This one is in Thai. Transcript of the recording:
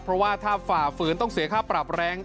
เพราะว่าถ้าฝ่าฝืนต้องเสียค่าปรับแรง